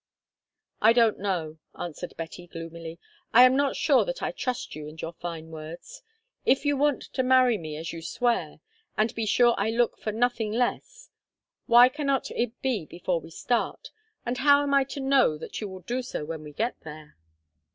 "I don't know," answered Betty gloomily. "I am not sure that I trust you and your fine words. If you want to marry me, as you swear, and be sure I look for nothing less, why cannot it be before we start, and how am I to know that you will do so when we get there?"